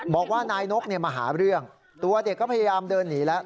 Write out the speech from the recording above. บอกว่านายนกมาหาเรื่องตัวเด็กก็พยายามเดินหนีแล้ว